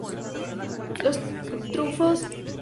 Los frutos son núculas truncadas, apical siempre con barba.